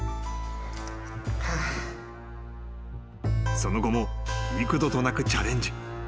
［その後も幾度となくチャレンジ］